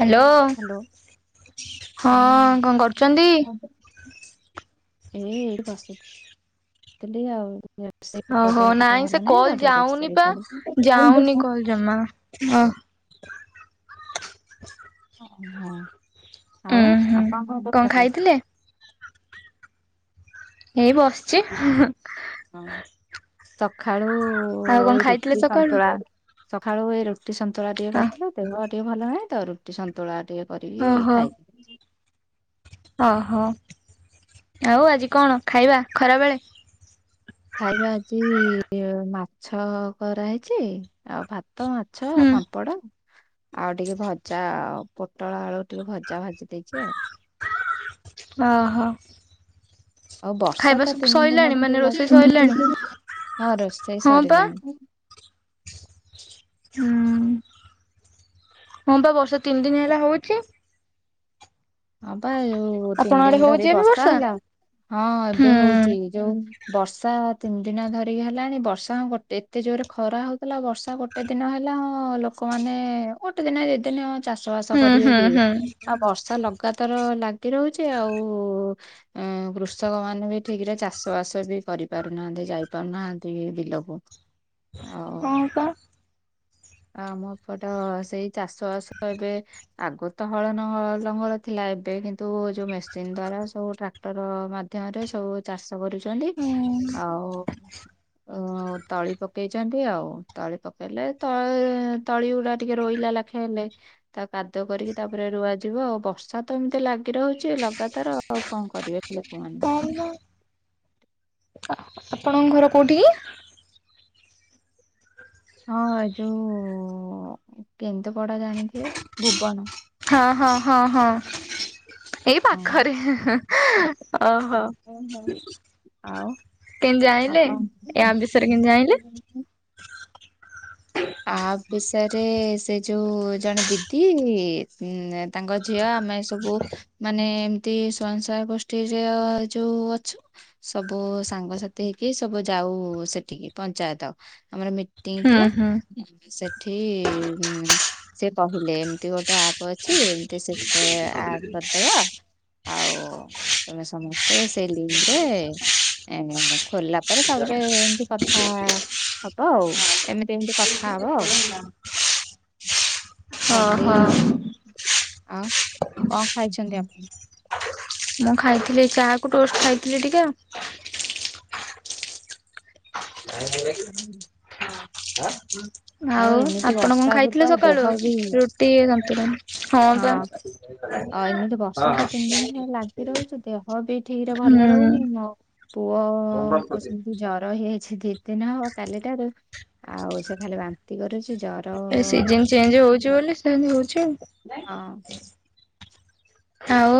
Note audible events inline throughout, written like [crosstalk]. Hello hello ହଁ କଣ କରୁଚନ୍ତି? ହଁ ଏ ଏଇଠି ବସି ଥିଲି ଆଉ। ରୋଷେଇ ମୋ ଓହୋ ଦେହଟା ଟିକେ ନାଇଁ ସେ ଭଲ ନାହିଁ କଲ ତ ଟିକେ ଯାଉନି ରୋଷେଇ ପା କରୁଥିଲି। ଯାଉନି କଲ ଜମା ଓ [unintelligible] ଆଉ ଉୁଁ ହୁଁ ଆପଣ କଣ କରୁଚନ୍ତି? ଏଇ ବସି ସଖାଳୁ ଆଉ କଣ ଏଇ ଖାଇଥିଲେ ରୁଟି ସକାଳୁ? ସନ୍ତୁଳା। ସଖାଳୁ ଏ ରୁଟି ସନ୍ତୁଳା ଟିକେ କରିଥିଲି ଦେହ ଟିକେ ଭଲ ନାହିଁ ତ ରୁ ସନ୍ତୁଳା ଟିକେ କରିକି ଓହୋ ଖାଇବି। ଓହୋ ଆଉ ଆଜି କଣ ଖାଇବା ଖରାବେଳେ? ଖାଇବା ଆଜି ମାଛ କରାହେଇଚି। ଆଉ ଭାତ ମାଛ ହୁଁ ପାମ୍ପଡ। ଆଉ ଟିକେ ଭଜା ପୋଟଳ ଆଳୁ ଟିକେ ଭଜା ଭାଜି ଦେଇଛି ଆଉ। ଓହୋ। ଆଉ ବର୍ଷା ଖାଇବା ତ ସବୁ ତିନି ଦିନ ସଇଲାଣି ହେଲା ମାନେ ରୋଷେଇ ଲାଗିକି ସଇଲାଣି? ରହିଛି। ହଁ ରୋଷେଇ ହଁ ପା ସରିଲାଣି। ହୁଁ, ହଁ ପା ବର୍ଷା ତିନି ଦିନ ହେଲା ହୋଉଚି। ହଁ ପା ଯୋଉ ତିନି ଆପଣଙ୍କ ଆଡେ ଦିନ ହଉଛି ଧରି ଏବେ ବର୍ଷା ହେଲା ହଁ ହୁଁ ଏବେ ହୋଉ ଚି ଯୋଉ ବର୍ଷା ତିନି ଦିନ ଧରିକି ହେଲାଣି ବର୍ଷା ଗୋଟେ ଏତେ ଜୋରେ ଖରା ହୋଉଥିଲା ବର୍ଷା ଗୋଟେ ଗୋଟେ ଦିନ ହେଲା ହଁ ଲୋକମାନେ ଗୋଟେ ଦିନ ଦି ଦିନ ଚାଷ ବାସ ହୁଁ କରିବେ ହୁଁ କି ହୁଁ ବର୍ଷା ଲଗାତାର ଲାଗି ରହୁଛି ଆଉ ଅଁ କୃଷକ ମାନେ ବି ଠିକ୍ ରେ ଚାଷ ବାସ ବି କରିପାରୁ ନାହାଁନ୍ତି ଯାଇ ପାରୁନାହାଁନ୍ତି ବିଲକୁ। ଆଉ ହଁ ପା। ଆମ ଏପଟ ସେଇ ଚାଷ ବାସ ଏବେ ଆଗ ତ ହଳ ନ ଲଙ୍ଗଳ ଥିଲା ଏବେ କିନ୍ତୁ ଯୋଉ ମେସିନ ଦ୍ଵାରା ସବୁ୍ ଟ୍ରା ଟକ୍ଟର ମାଧ୍ୟମରେ ସବୁ ଚାଷ କରୁଛନ୍ତି। ହୁଁ। ଆଉଁ ଆଉଁ ତଳି ପକେଇଛନ୍ତି ଆଉ। ତଳି ପକେଇଲେ ତୟ ତଳି ଗୁଡା ଟିକେ ରୋଇଲା ଲାଖେ ହେଲେ। ତା କାଦୁ କରିକି ତାପରେ ରୁଆ ଯିବ। ଆଉ ବର୍ଷା ତ ଏମିତି ଲାଗି ରହୁଛି ଲଗାଦାର ଆଉଁ କଣ କରିବେ ଲୋକମାନେ? ଆପଣଙ୍କ ଘର କୋଉଁଠି କି? ହଁ ଯୋଉଁ କେନ୍ଦୁ ପଡା ଜାଣିଥିବେ ଭୁବନ। ହଁ ହଁ ହଁ ହଁ। ଏଇ ହଁ ପାଖରେ ହେଁ ହେଁ ଓହୋ। ଆଉ କେମିତି ଜାଇଁଲେ ଆପଣ ୟା ବିଷୟରେ କେମିତି ଜାଇଁଲେ? ୟା ବିଷୟରେ ସେ ଯୋଉଁ ଜଣେ ଦିଦି ଉଁ ମଁ ତାଙ୍କ ଝିଅ ଆମେ ସବୁ ମାନେ ଏମିତି ସ୍ଵୟଙ୍ଗସହାୟାକ ଗୋଷ୍ଠୀରେ ଯୋଉଁ ଅଛୁଁ। ସବୁ ସାଙ୍ଗସାଥି ହେଇକି ସବୁ ଯାଉ ସେଠିକି ପଞ୍ଚାୟତ ଆମର ମି ଟେଇଁ ହୁଁ ଥିଲା। ହୁଁ ସେଠିଁ ମଁ ଉଁ ସେ କହିଲେ ଏମିତି ଗୋଟେ ଆପ୍ ଅଛି ଏମିତି ସେ ଏଁ ଆପ୍ କରିଦବା। ଆଉଁ ତମେ ସମସ୍ତେ ସେଇ ଲିଙ୍ଗରେ ଏଁ ଖୋଲିଲା ପରେ ତାପରେ ଏମିତି କଥା ହବ ଆଉ ଏମିତି ଏମିତି କଥା କଥା ହବ ଆଉ। ଖାଲି ଓହୋ ଆଉ କଣ ଖାଇଛନ୍ତି ଆପଣ? ମୁଁ ଖାଇଥିଲି ଚା କୁ ଟୋଷ୍ଟ ଖାଇଥିଲି ଟିକେ ଆଉଁ। ନାଇ ଆଉ ଆଉଁ ଏମିତି ଆପଣ କଣ ବର୍ଷାକୁ ତ ଖାଇଥିଲେ ଦେହ ସକାଳୁ ବି ରୁଟି ସନ୍ତୁଳା। ହଁ ପା ଅଁ ଏମିତି ବର୍ଷା ତ ତିନି ଦିନ ହେ ଲାଗି ରହୁଛି ଦେହ ବି ଠିକ ରେ ଭଲ ହୁଁ। ରହୁନି। ମୋ ପୁଅ କ୍ଯୁସଚିନ ଜର ହେଇଛି ଦିଦିନ ହବ କାଲିଠାରୁ ଆଉ ସେ ଖାଲି ବାନ୍ତି କରୁଛି। ଜର ଏ ସିଜିନ ଚେଞ୍ଜ ହଉଛି ବୋଲି ସେମିତି ହଉଛି ଆଉ। ହଁ। ଆଉ।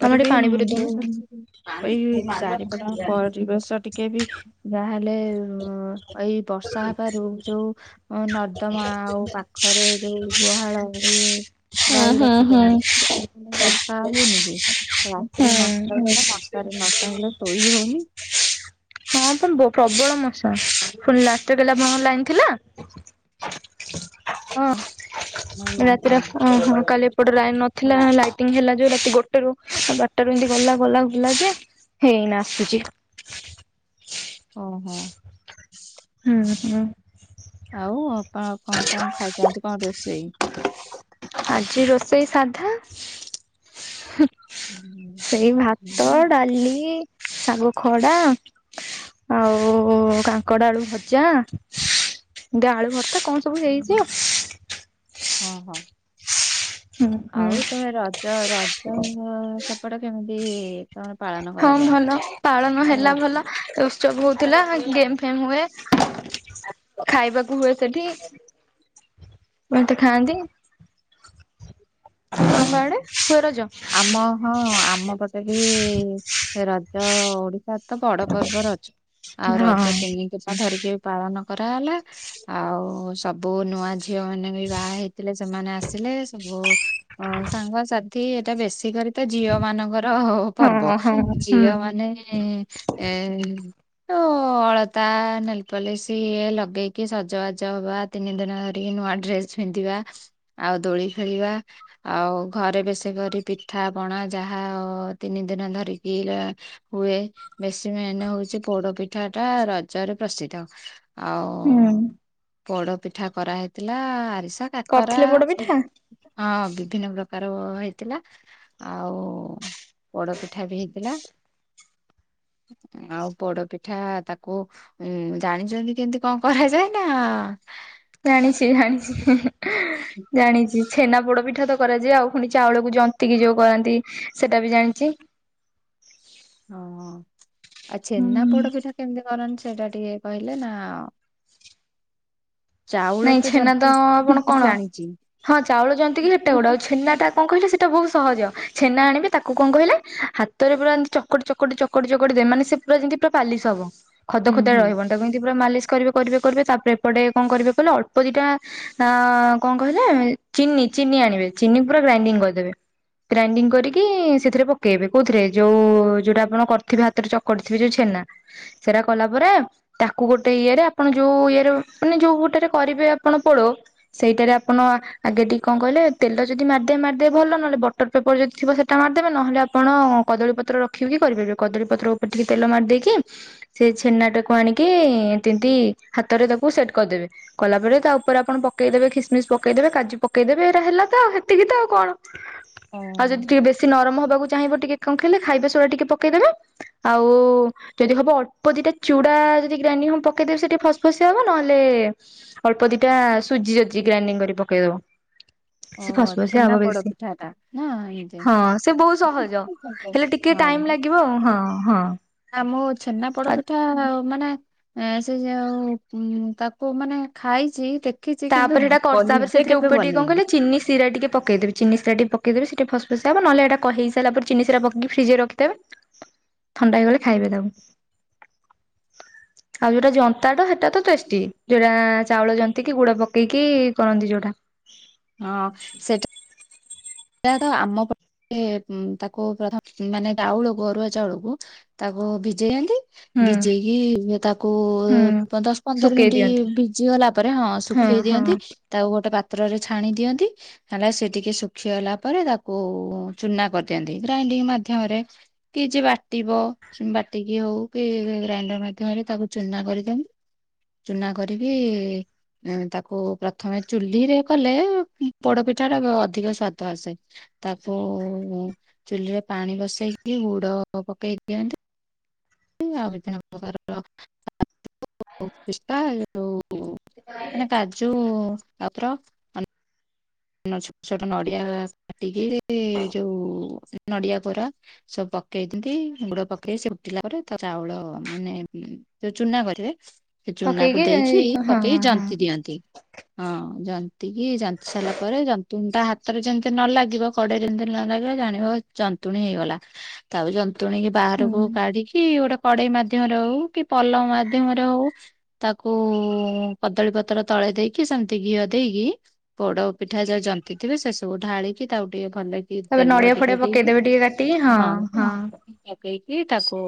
ତମେ ବି ଟିକେ ପାଣି ପୁରେଇ ଦଉନ। ଯୋଉଁ ଏଇ ଚାରିପଟା ପରିବେଶ ଟିକେ କେ ବି ଯାହେଲେ ଏଇ ବର୍ଷା ହବାରୁ ଯୋଉଁ ଆଉଁ ନର୍ଦ୍ଦମା ଆଉ ପାଖରେ ଯୋଉଁ ଗୁହାଳ ଇଏ। ହଁ ଗାଈ ହଁ ହଁ। ରଖିଛନ୍ତି ସେ ସବୁ ବର୍ଷା ହଉନିକି ରାତିରେ ହୁଁ। ମଶା ବି ନାଁ ମଶାରୀ ନ ଟାଁଙ୍ଗିଲେ ଶୋଇ ହଉନି। ବୋ ପୋ ପ୍ରବଳ ମଶା ପୁଣି ରାତିରେ ଆପଣଙ୍କର ଲାଇନି ଥିଲା। ହଁ। ମା ରାତିର ଲାଗିଲେ। ଆପଣ ହଁ ହଁ କାଲି ଏପଟେ ଲାଇନି ନ ଥିଲା ଲାଇଟିଙ୍ଗ ହେଲା ଯୋଉ ରାତି ଗୋଟରୁ ବାରଟାରୁ ଏମତି ଗଲା ଗଲା ଗଲା ଯେ। ହେଇ ନାଁ ଆସୁଛି। ଓ ହୋ। ହୁଁ ହୁଁ। ଆଉ ଅପା ଆଉଁ ଆପଣ କଣ କଣ ଖାଇଚ ଆଜି କଣ କଣ ରୋଷେଇ। ଆଜି ରୋଷେଇ ସାଧା। ସେଇ ଭାତ ଡାଲି ଶାଗ ଖଡା। ଆଉ, କାଙ୍କଡ ଆଳୁ ଭଜା। ଡାଳୁ ଭର୍ତ୍ତା କଣ ସବୁ ହେଇଛି ଆଉ? ହଁ ହଁ, ହୁଁ ଆଉ ହୁଁ ତମେ ରଜ ରଜ ଅ ସେପଟ କେମିତିଇ ହଁ ଭଲ, ପାଳନ ହେଲା ହଁ ଭଲ। ଉତ୍ସବ ହଉଥିଲା। ଗେମ୍ ଫେମ ହୁଏ, ଖାଇବାକୁ ହୁଏ ସେଠି ମତେ ଖାଆନ୍ତି। ହଁ ହଁ ତମ ଆଡେ ହୁଏ ରଜ? ଆମ, ହଁ ଆମ ପଟେ ବି ରଜ ଓଡିଶା ତ ବଡ ପର୍ବ ରଜ, ଆଉ ହଁ ରଜ ତିନି ଦିନ ଧରିକି ପାଳନ କରାହେଲା। ଆଉ ସବୁ ନୂଆ ଝିଅ ମାନେ ବି ବାହା ହେଇଥିଲେ ସେମାନେ ଆସିଲେ। ସବୁ ହ ସାଙ୍ଗସାଥି ଏଇଟା ବେଶୀ କରି ତ ଝିଅ ମାନଙ୍କର। ହଉ ହଁ ପର୍ବ, ହଁ ହୁଁ ଝିଅ ମାନେ ଏ ଓ ଅଳତା ନେଲପଲିସି ଲଗେଇକି ସଜବାଜ ହବା। ତିନି ଦିନ ଧରିକି ନୂଆ ଡ୍ରେସ ପିନ୍ଧିବା। ଆଉ ଦୋଳି ଖେଳିବା ଆଉ ଘରେ ବେଶୀ କରି ପିଠା ପଣା ଯାହା ହ ତିନି ଦିନ ଧରିକି, ହୁଏ। ବେଶୀ ମେନ୍ ହଉଛି ପୋଡ ପିଠା ଟା ରଜରେ ପ୍ରସିଦ୍ଧ। ହୁଁ ଆଉ, ପୋଡ ପିଠା କରାହେଇଥିଲା ଆରିସା କାକରା କରିଥିଲେ ପୋଡପିଠା? ସବୁ। ହଁ, ବିଭିନ୍ନ ପ୍ରକାର ହେଇଥିଲା। ଆଉ, ପୋଡ ପିଠା ବି ହେଇଥିଲା। ଆଉ, ପୋଡ ପିଠା ତାକୁ ହୁଁ ଜାଣିଛନ୍ତି କେମତି କଣ କରାଯାଏ ନା ହଁ ଜାଣିଛି ଜଣିଛି ହୁଁ ହୁଁ। ଜାଣିଛି, ଛେନା ପୋଡ ପିଠା ତ କରାଯାଏ। ଆଉ ପୁଣି ଚାଉଳକୁ ଜନ୍ତି କିି ଯୋଉ କରାନ୍ତି ସେଟା ବି ଜାଣିଛି। ହଁ, ଆଉ ଛେନା ହୁଁ ପୋଡ ପିଠା କେମିତି କରନ୍ତି ସେଇଟା ଟିକେ କହିଲେ ନାଆ ନାଇଁ ଛେନା ତ, ଆପଣ କଣ ଜାଣିଛି ହଁ ଚାଉଳ ଜନ୍ତିକି ଯେତେ ବଡ ଛେନା ଟା କଣ କହିଲେ ସେଇଟା ବହୁତ ସହଜ। ଛେନା ଆଣିବି ତାକୁ କଣ କହିଲେ ହାତରେ ପୁରା ଏମିତି ଚକଟି ଚକଟି, ଚକଟି ଚକଟି ଚକଦେ, ମାନେ ସେ ପୁରା ଯେମି ପୁରା ପାଲିସ ହବ। ଖଦ ହୁଁ ଖଦା ହୁଁ। ରହିବ ନି। ତାକୁ ଏମିତି ପୁରା ମାଲିସ କରିବେ କରିବେ କରିବେ, ତାପରେ ଏପଟ କଣ କରିବେ କହିଲ ଅଳ୍ପଦିଟା ଆଂ କଣ କହିଲେ ଚିନି ଚିନି ଆଣିବେ ଚିନି ପୁରା ଗ୍ରାଇଣ୍ଡିଙ୍ଗ କରିଦେବେ। ଗ୍ରାଇଣ୍ଡିଙ୍ଗ କରିକି ସେଥିରେ ପକେଇବେ। କୋଉଥିରେ ଯୋଉ ଯୋଉଟା ଆପଣ କରିଥିବେ ହାତରେ ଚ କରିଥିବି ଛେନା ସେଇଟା କଲା ପରେ, ତାକୁ ଗୋଟେ ଇଏ ରେ ଆପଣ ଯୋଉ ଇଏରେ ମାନେ ଯୋଉ ଗୋଟେରେ, କରିବେ ଆପଣ ପୋଡ଼। ସେଇଟାରେ ଆପଣ, ଆଗେ ଟିକେ କଣ କହିଲେ ତେଲ ଯଦି ମାରିଦେ ମାରିଦେ ଭଲ। ନହେଲେ ବଟର ପେପର ଯଦି ଥିବ ସେଟା ମାରିଦବେ। ନହଲେ ଆପଣ କଦଳୀ ପତ୍ର ରଖିବି କିି କରିପାରିବେ। କଦଳୀ ପତ୍ର ଉପରେ ଟିକେ ତେଲ ମାରିଦେଇକି, ସେ ଛେନା ଟାକୁ ଆଣିକି, ଦିଦି ହାତରେ ତାକୁ ସେଟ୍ କରିଦେବେ। କଲାପରେ ତା ଉପରେ ଆପଣ ପକେଇଦେବେ। ଖିସମିସ୍ ପକେଇଦେବେ କାଜୁ ପକେଇଦେବେ। ଏଇଟା ହେଲା ତ ଆଉ ହେତିକି ତ ଆଉ କଣ? ଓ ଆଉ ଯଦି ଟିକେ ବେଶୀ ନରମ ହବାକୁ ଚାହିଁବ, ଟିକେ କଣ ଖାଇଲେ ଖାଇବେ ସେଗୁଡା ଟିକେ ପକେଇଦେବେ। ଆଉ ଯଦି ହବ ଅଳ୍ପ ଦିଟା ଚୁଡା, ଯଦି ଗ୍ରଇଣ୍ଡିଙ୍ଗି ହବ ପକେଇଦେବେ। ସେଠି ଫସ ଫସିଆ ହବ ନହେଲେ ଅଳ୍ପ ଦିଟା ସୁଜି ଯଦି ଗ୍ରାଇଣ୍ଡିଙ୍ଗ କରି ପକେଇଦବ। ଓ ସେ ଫସ ଫସିଆ ଛେନା ହବ ପୋଡ ବେଶି, ପିଠା ଟା ନା ଏମିତି ହଁ ସେ ବହୁ ସହଜ। ହଁ ହେଲେ ଟିକେ ଟାଇମ୍ ଲାଗିବ ହଁ ହଁ। ଆ ମୋ ଛେନା ପୋଡ ପିଠା ମାନେ। ଏଁ ସେ ଯୋଉ ଉଁ ତାକୁ ମାନେ ଖାଇଚି ତାପରେ ହେଇଟା କର ତାପରେ ସେଥିରେ ଉପରେ ଟିକେ କଣ ବନେଇନି କହିଲ ଚିନି ସିରା ଟିକେ ପକେଇଦେବି। ଚିନି ସିରା ଟିକେ ପକେଇଦେବେ ସେ ପୁରା ଫସ ଫସିଆ ହବ ନହଲେ କହି ହେଇସାରିଲା ପରେ ଚିନି ସିରା ପକେଇକି ଫ୍ରିଜ ରେ ରଖିଦେବେ। ଥଣ୍ଡା ହେଇଗଲେ ଖାଇବେ ତାକୁ। ଆଉ ଯୋଉଟା ଜନ୍ତାଟା ସେଟା ତ ଟେଷ୍ଟି ଯୋଉଟା ଚାଉଳ ଜନ୍ତି। କି ଗୁଡ ପକେଇକି କରନ୍ତି ଯୋଉଟା। ହଁ ସେ ସେୟା ତ ଆମ ପଟେ ତାକୁ ପ୍ରଥମ ମାନେ ଚାଉଳକୁ ଅରୁଆ ଚାଉଳକୁ। ତାକୁ ଭିଜେଇ ଦିଅନ୍ତି। ହୁଁ ଭିଜେଇକି ତାକୁ ହୁଁ ଦଶ ପନ୍ଦର ଶୁକେଇ ମିଣ୍ଟି ଦିଅନ୍ତି ଭିଜିଗଲା ପରେ ହଁ ଶୁ ଖେଇ ଦିଅନ୍ତି ତାକୁ ଗୋଟେ ପାତ୍ରରେ ଛାଣି ଦିଅନ୍ତି ହେଲେ ସେ ଟିକେ ଶୁ ଖିଗଲା ପରେ ତାକୁ ଚୁନା କରିଦିଅନ୍ତି ଗ୍ରାଇଣ୍ଡିଙ୍ଗ ମାଧ୍ୟମରେ। କି ଯେ ବାଟିବ। ବାଟିକି ହଉ କି ଗ୍ରାଇଣ୍ଡର ମାଧ୍ୟମରେ ତାକୁ ଚୁନା କରିଦିଅନ୍ତି। ଚୁନା କରିକି। ଉଁ ତାକୁ ପ୍ରଥମେ ଚୁଲିରେ କଲେ ପୋଡପିଠା ଟା ଅଧିକ ସ୍ଵାଦ ଆସେ। ତାକୁ ଚୁଲିରେ ପାଣି ବସେଇକି ଗୁଡ ପକେଇ ଦିଅନ୍ତି। ଆଉ ବିଭିନ୍ନ ପ୍ରକାରର [inaudible] ପିସ୍ତା ଏଇ ଯୋଉ ମାନେ କାଜୁ ଟାଇପ୍ ର। ଛୋଟ ଛୋଟ ନଡିଆ କାଟିକି ଯୋଉ ନଡିଆ କୋରା। ସବୁ ପକେଇଦିଅନ୍ତି ଗୁଡ ପକେଇ ସେ ଉଠିଲା ପରେ ତା ଚାଉଳ ମାନେ। ଯୋଉ ଚୁନା କରିବେ ସେ ଚୁନାକୁ ପକେଇକି ଦେଇକି ହଁ ପକେଇ ହଁ। ଜନ୍ତି ଦିଅନ୍ତି। ହଁ ଯନ୍ତି କି ଯନ୍ତି ସାରିଲା ପରେ ଯନ୍ତୁଣୀ ଟା ହାତରେ ଯେମିତି ନ ଲାଗିବ କଡ଼େଇ ରେ ଯେମିତି ନ ଲାଗିବ ଜାଣିବ ଯନ୍ତୁଣୀ ହେଇଗଲା। ତାପରେ ଯନ୍ତୁଣୀ କି ହୁଁ ବାହାରକୁ କାଢିକି ଗୋଟେ। କଡେଇ ମାଧ୍ୟମରେ ହଉ କି ପଲମ ମାଧ୍ୟମରେ ହଉ। ତାକୁ କଦଳୀ ପତ୍ର ତଳେ ଦେଇକି ସେମିତି ଘିଅ ଦେଇକି ପୋଡ। ପିଠା ଯାହା ଜନ୍ତିଥିବେ ସେ ସବୁ ଢାଳିକି ତାକୁ ଟିକେ ଭଲକି। ତାପରେ ତେଲ ନଡିଆ ଫଡିଆ ଟିକେ ଦେଇକି ପକେଇଦେବେ ଟିକେ କାଟିିକି ହଁ ହଁ। ପକେଇକି ତାକୁ।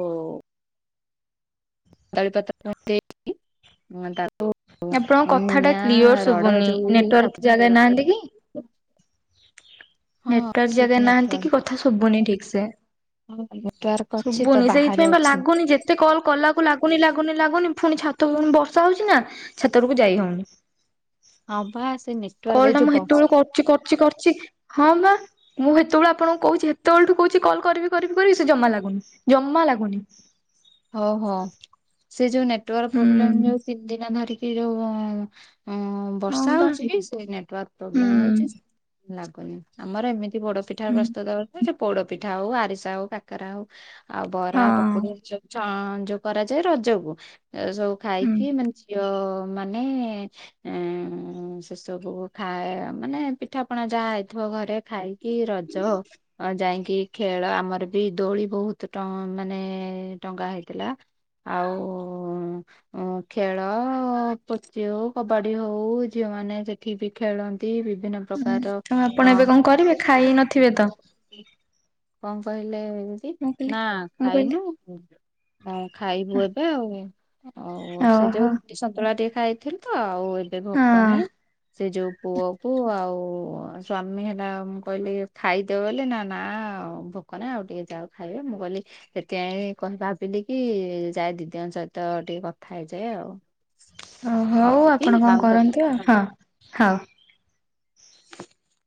କଦଳିପତ୍ର ଦେଇକି ଉଁ ତା ଆଉ ଆପଣଙ୍କ ଅ କଥା ଟା ନିଆଁ କ୍ଲିୟର ରଡ ଶୁଭୁନି ଯୋଉ ଇଏ ନେଟୱାର୍କ ଜାଗା ନାହାନ୍ତି କି? ତାକୁ। ହଁ ନେଟୱାର୍କ ଅଛି ଜାଗାରେ ତ ନାହାନ୍ତି କି ନେଟୱାର୍କ କଥା ଶୁବୁନି ଠିକ୍ ସେ। ହଁ ନେଟୱାର୍କ ଅଛି ତ ଶୁବୁନି ବାହାରେ ସେଇଥିପାଇଁ ବା ଅଛି। ଲାଗୁନି ଯେ ଏତେ କଲ୍ କଲାକୁ ଲାଗୁନି ଲାଗୁନି ଲାଗୁନି ଫୁଣି ଛାତ ପୁଣି ବର୍ଷା ହଉଛିି ନା। ଛାତ ଉପୁରୁକୁ ଯାଇ ହଉନି ହଁ ବା ସେ ନେଟୱାର୍କ କଲ୍ ଏଇ ଟା ଯୋଉ ମୁଁ ବସ୍ ହେତେବଳୁ କରୁଚି କରୁଚି କର ଚି ହଁ ପା। ମୁଁ ହେତେବେଳୁ ଆପଣଙ୍କୁ କହୁଛି କେତେବଳଠୁ କହୁଛି କଲ୍ କରିବି କରିବି କରିବି ସେ ଜମା ଲାଗୁନି ଜମା ଲାଗୁନି। ଓହୋ ସେ ଯୋଉ ନେଟୱାର୍କ ହୁଁ ପ୍ରୋବ୍ଲେମ ଯୋଉ ତିନ ଦିନ ଧରିକି। ସେ ଯୋଉ ହଁ ବର୍ଷା ବା ହଉଛି ସେ ନେଟୱାର୍କ। ହୁଁ ପ୍ରୋବ୍ଲେମ ହଉଛି ଲାଗୁନି ଆମର ଏମିତି ପୋଡ଼ ପିଠା ହୁଁ ପ୍ରସ୍ତୁତ। ଯେ ପୋଡ ପିଠା ହଉ ଆରିସା ହଉ କାକରା ହଉ ଆଉ ବରା ହଁ ପକୁଡି ଚଂ ଯୋଉ କରାଯାଏ ରଜକୁ ଏ ସବୁ ହୁଁ ଖାଇକି ମାନେ ଝିଅ। ମାନେ ଏଁ ସେସବୁ ଖାଏ ମାନେ ପିଠାପଣା ଯାହା ହେଇଥିବ ଘରେ ଖାଇ କି ରଜ। ଅ ଯାଇକି ଖେଳ ଆମର ବି ଦୋଳି ବହୁତ ମାନେ ଟଙ୍କା ହେଇଥିଲା। ଆଉ ଅ ଖେଳ ପୋଚି ହଉ କବାଡି ହଉ, ଝିଅ ମାନ ସେଠିକି ବି ଖେଳନ୍ତି ବିଭିନ୍ନ। ହୁଁ ପ୍ରକାର ତ ଅ ଆପଣ ଏବେ କଣ କରିବେ, ଖାଇ ନଥିବେ ତ? କଣ କହିଲେ ଏମିତି ମୁଁ କହିଲି ନା ମୁଁ କହିଲି ଖାଇନୁ। ହଁ ଖାଇବୁ ଏବେ ଆଉ ଆଉ। ସେ ଯୋଉ ଓହୋ ରୁଟି ସନ୍ତୁଳା ଟିକେ ଖାଇଥିଲୁ ତ ଆଉ। ଏଇଟା ହଁ ଭୋକ ନାଇଁ। ସେ ଯୋଉ ପୁଅ କୁ ଆଉ ସ୍ଵାମୀ, ହେଲା ମୁଁ କହିଲି ଖାଇଦେବ ବ ନାଁ। ଭୋକ ନା ଆଉ ଟିକେ ଯାଉ ଖାଇବେ ମୁଁ କହିଲି ସେଥିପାଇଁ କ ଭାବିଲି କି ଯାଏଁ ଦିଦି ଜଙ୍କ ସହିତ ଟିକେ କଥା ହେଇଯାଏ ଆଉ। ଓ, ହଉ ହେଉ ଦିଦି ଆପଣ କଣ ଆଉ କରନ୍ତି ଆଉ? କେତେ ହଁ ହଁ।